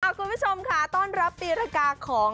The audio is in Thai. คุณผู้ชมค่ะต้อนรับปีรกาของ